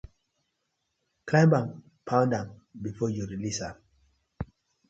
Climb am, pound am befor yu release am.